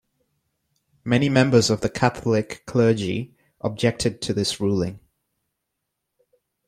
Many members of the Catholic clergy objected to this ruling.